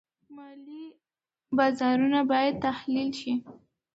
مالي بازارونه باید تحلیل شي.